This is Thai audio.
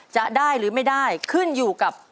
จะได้หรือไม่ได้ขึ้นอยู่กับ